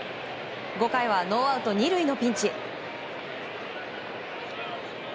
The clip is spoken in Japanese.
５回はノーアウト２塁のピンチ。